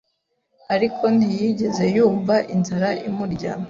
Ariko ntiyigeze yumva inzara imurya.